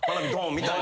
みたいな。